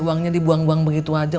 uangnya dibuang buang begitu saja